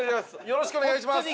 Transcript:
よろしくお願いします。